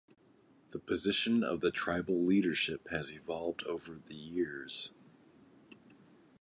The position of the tribal leadership has evolved over the years.